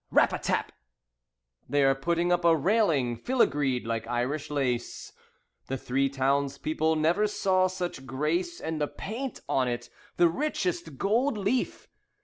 Rap a tap! They are putting up a railing filigreed like Irish lace. The Three Town's people never saw such grace. And the paint on it! The richest gold leaf!